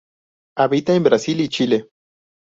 Habita en Brasil y Chile.